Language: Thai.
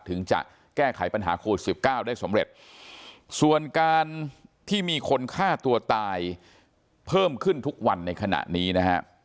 ถึงจะแก้ไขปัญหาโควิดสิบเก้าได้สำเร็จส่วนการที่มีคนฆ่าตัวตายเพิ่มขึ้นทุกวันในขณะนี้นะฮะ